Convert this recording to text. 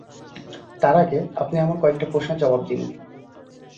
তার আগে আপনি আমার কয়েকটা প্রশ্নের জবাব দিন।